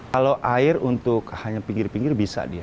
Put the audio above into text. kalau air untuk hanya pinggir pinggir bisa dia